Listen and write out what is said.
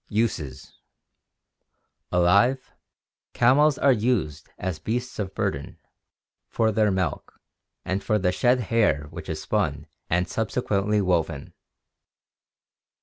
Uses. — Alive, camels are used as beasts of burden, for their milk, and for the shed hair which is spun and subsequently woven.